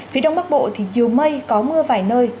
phía đông bắc bộ thì nhiều mây có mưa vài nơi